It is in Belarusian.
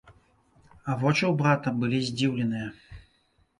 А вочы ў брата былі здзіўленыя.